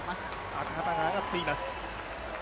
赤旗が揚がっています。